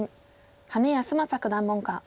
羽根泰正九段門下。